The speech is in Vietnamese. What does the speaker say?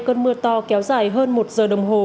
cơn mưa to kéo dài hơn một giờ đồng hồ